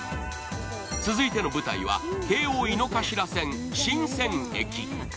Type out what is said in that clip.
続いての舞台は、京王井の頭線・神泉駅。